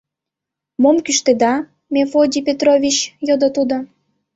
— Мом кӱштеда, Мефодий Петрович? — йодо тудо.